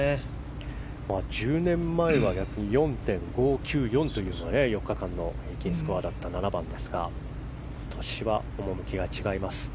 １０年前は４．５９４という４日間の平均スコアだった７番ですが今年は趣が違います。